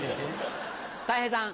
たい平さん。